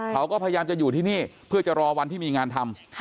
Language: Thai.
เขาก็พยายามจะอยู่ที่นี่เพื่อจะรอวันที่มีงานทำ